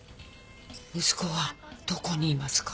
息子はどこにいますか？